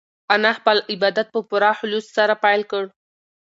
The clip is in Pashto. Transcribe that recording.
انا خپل عبادت په پوره خلوص سره پیل کړ.